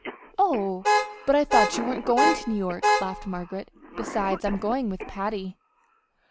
"Oh, but I thought you weren't going to New York," laughed Margaret. "Besides I'm going with Patty."